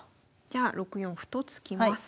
じゃあ６四歩と突きます。